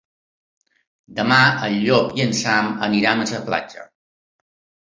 Demà en Llop i en Sam iran a la platja.